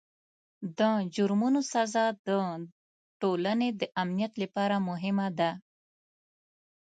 د جرمونو سزا د ټولنې د امنیت لپاره مهمه ده.